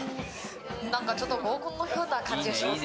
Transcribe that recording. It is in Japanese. なんかちょっと合コンのような感じがします。